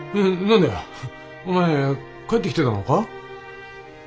何だよお前帰ってきてたのか？